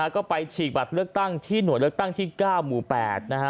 ก็ไปฉีกบัตรเลือกตั้งที่หน่วยเลือกตั้งที่๙หมู่๘นะฮะ